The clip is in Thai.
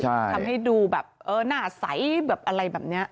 ทำให้ดูแบบเออหน้าใสแบบอะไรแบบนี้